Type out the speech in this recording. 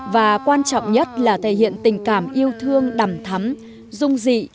và quan trọng nhất là thể hiện tình cảm yêu thương đầm thắm dung dị